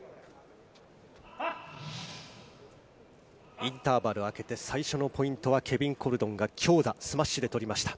インターバル明けて、最初のポイントはケビン・コルドンが強打、スマッシュで取りました。